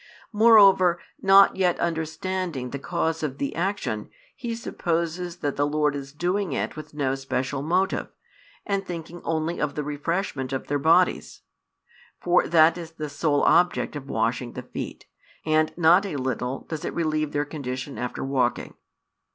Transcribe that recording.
Moreover, not yet understanding the cause of the action, he supposes that the Lord is doing it with no special motive, and thinking only of the refreshment of their bodies; for that is the sole object of washing the feet, and not a little does it relieve their condition after walking.